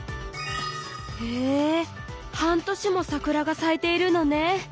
へえ半年も桜が咲いているのね。